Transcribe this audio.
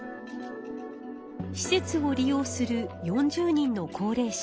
施設を利用する４０人の高齢者。